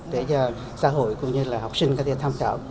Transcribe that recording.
để cho xã hội cũng như là học sinh có thể tham khảo